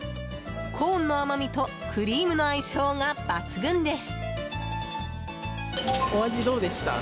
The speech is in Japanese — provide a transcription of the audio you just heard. コーンの甘みとクリームの相性が抜群です。